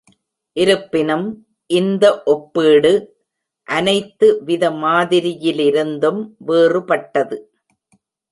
இருப்பினும், இந்த ஒப்பீடு அனைத்து வித மாதிரியிலிருந்தும் வேறுபட்டது.